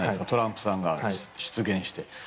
トランプさんが出現して。